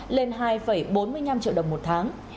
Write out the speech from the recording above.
lên hai bốn mươi năm triệu đồng một tháng